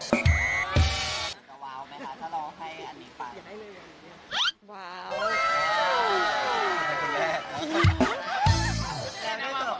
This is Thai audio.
จะว้าวมั้ยคะถ้าเราให้อันนี้ป่ะ